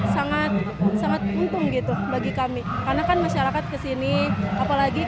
sangat sangat untung gitu bagi kami karena kan masyarakat kesini apalagi